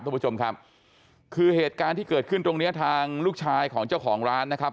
ทุกผู้ชมครับคือเหตุการณ์ที่เกิดขึ้นตรงเนี้ยทางลูกชายของเจ้าของร้านนะครับ